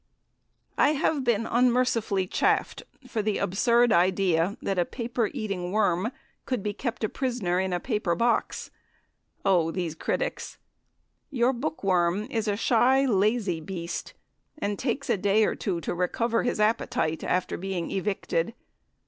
I have been unmercifully "chaffed" for the absurd idea that a paper eating worm could be kept a prisoner in a paper box. Oh, these critics! Your bookworm is a shy, lazy beast, and takes a day or two to recover his appetite after being "evicted."